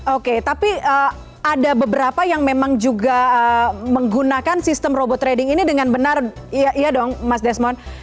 oke tapi ada beberapa yang memang juga menggunakan sistem robot trading ini dengan benar iya dong mas desmond